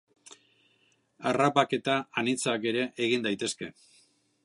Harrapaketa anitzak ere egin daitezke.